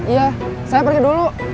iya saya pergi dulu